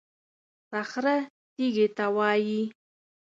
صخره تېږې ته وایي.